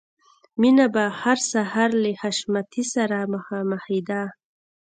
مینه به هر سهار له حشمتي سره مخامخېده